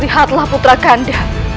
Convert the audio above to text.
lihatlah putra kandang